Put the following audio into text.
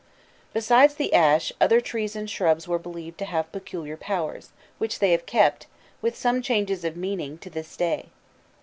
Besides the ash, other trees and shrubs were believed to have peculiar powers, which they have kept, with some changes of meaning, to this day.